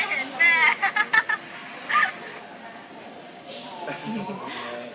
อ๋อได้เลย